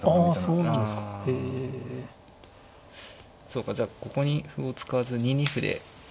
そうかじゃあここに歩を使わず２二歩で。